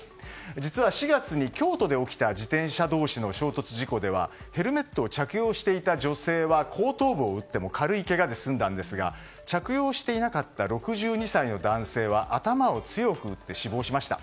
実は４月に京都で起きた自転車同士の衝突事故ではヘルメットを着用していた女性は後頭部を打っても軽いけがで済んだんですが着用していなかった６２歳の男性は頭を強く打って死亡しました。